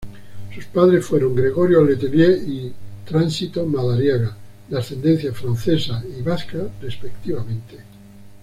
Sus padres fueron Gregorio Letelier y Tránsito Madariaga, de ascendencia francesa y vasca, respectivamente.